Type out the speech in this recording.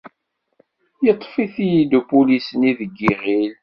Yeṭṭef-it-id upulis-nni deg iɣil.